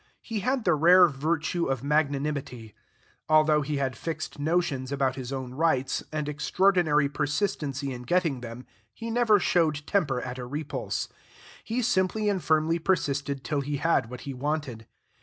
He had the rare virtue of magnanimity. Although he had fixed notions about his own rights, and extraordinary persistency in getting them, he never showed temper at a repulse; he simply and firmly persisted till he had what he wanted.